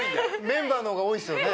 メンバーの方が多いですよね。